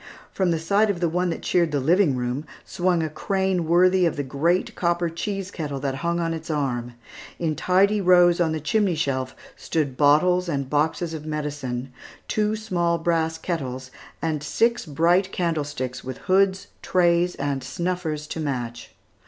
From the side of the one that cheered the living room, swung a crane worthy of the great copper cheese kettle that hung on its arm. In tidy rows on the chimney shelf stood bottles and boxes of medicine, two small brass kettles, and six bright candlesticks with hoods, trays, and snuffers to match.